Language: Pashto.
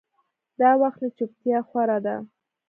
دا وخت نو چوپتيا خوره وه.